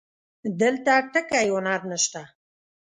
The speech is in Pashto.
دلته ټکی هنر نه شته